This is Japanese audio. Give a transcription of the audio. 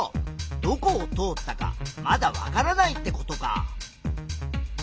どこを通ったかまだわからないってことか。